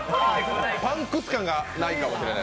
パンクス感がないかもしれない。